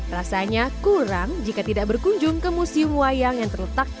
rasanya kurang jika tidak berkunjung ke museum wayang yang terletak